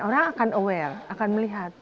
orang akan aware akan melihat